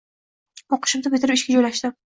O`qishimni bitirib, ishga joylashdim